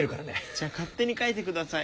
じゃあ勝手に書いてください。